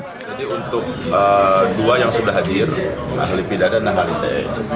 jadi untuk dua yang sudah hadir ahli pidana dan ahli ite